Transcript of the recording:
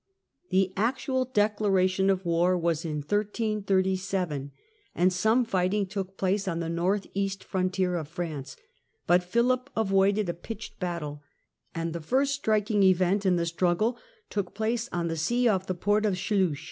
The actual declaration of war was in 1337 and some Deciara fightmg took place on the north east frontier oi ±| ranee, War, 1337 but Philip avoided a pitched battle, and the first striking event in the struggle took place on the sea off the port of Sluys.